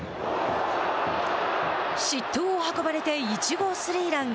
失投を運ばれて１号スリーラン。